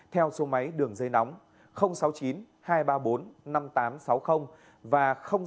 theo số máy đường dây nóng sáu mươi chín hai trăm ba mươi bốn năm nghìn tám trăm sáu mươi và sáu mươi chín hai trăm ba mươi hai một nghìn sáu trăm